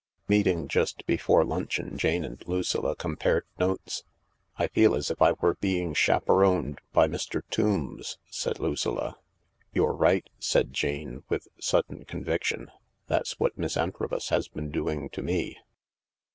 Meeting just before luncheon, Jane and Lucilla compared notes. " I feel as if I were being chaperoned— by Mr. Tombs," said Lucilla. " You're right, "said Jane, with sudden conviction; '.'that's what Miss Antrobus has been doing to me."